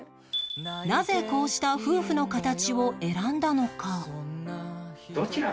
なぜこうした夫婦のカタチを選んだのか？